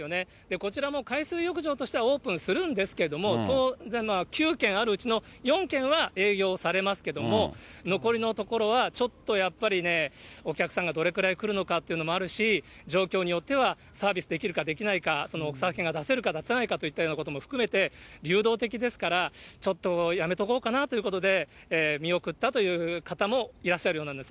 こちらも海水浴場としてはオープンするんですけれども、９軒あるうちの４軒は営業されますけども、残りの所は、ちょっとやっぱりね、お客さんがどれくらい来るのかっていうのもあるし、状況によってはサービスできるかできないか、そのお酒が出せるか出せないかということも含めて、流動的ですから、ちょっとやめとこうかなということで、見送ったという方もいらっしゃるようなんです。